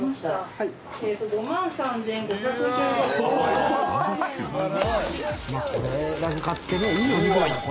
はい。